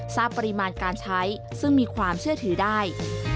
ทราบปริมาณการใช้ซึ่งมีความเชื่อถือได้